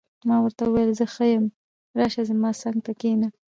ما ورته وویل: زه ښه یم، راشه، زما څنګ ته کښېنه.